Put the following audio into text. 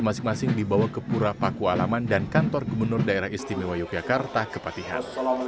masing masing dibawa ke pura paku alaman dan kantor gubernur daerah istimewa yogyakarta kepatihan